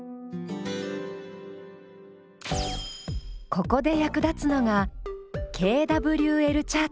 ここで役立つのがＫＷＬチャート。